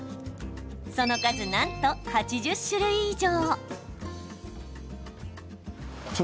その数なんと８０種類以上。